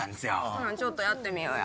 ほな、ちゃっとやってみようや。